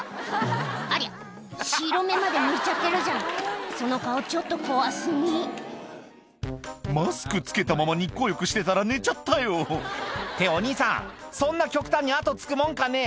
ありゃ白目までむいちゃってるじゃんその顔ちょっと怖過ぎ「マスクつけたまま日光浴してたら寝ちゃったよ」ってお兄さんそんな極端に痕つくもんかね？